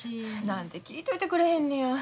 何で聞いといてくれへんのや。